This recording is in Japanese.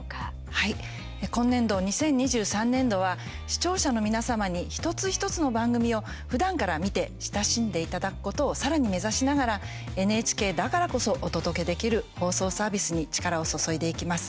はい、今年度２０２３年度は視聴者の皆様に一つ一つの番組をふだんから見て親しんでいただくことをさらに目指しながらＮＨＫだからこそお届けできる放送、サービスに力を注いでいきます。